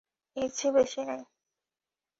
এর চেয়ে বেশি নাই।